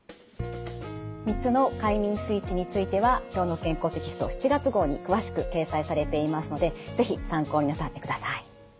３つの快眠スイッチについては「きょうの健康」テキスト７月号に詳しく掲載されていますので是非参考になさってください。